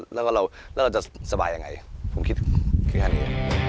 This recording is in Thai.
แล้วเราจะสบายยังไงผมคิดคือแค่นี้